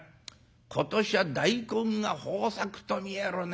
今年は大根が豊作と見えるね。